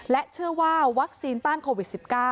เชื่อว่าวัคซีนต้านโควิด๑๙